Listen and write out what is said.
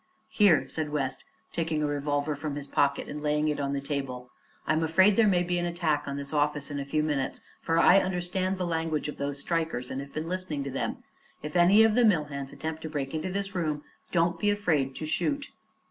"Here," said West, taking a revolver from his pocket and laying it on the table; "I'm afraid there may be an attack on this office in a few minutes, for I understand the language of those strikers and have been listening to them. If any of the mill hands attempt to break into this room don't be afraid to shoot."